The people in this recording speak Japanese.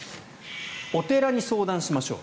お寺に相談しましょう。